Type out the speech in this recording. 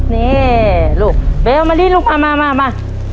นี่ลูกเบลมารีนลูกมา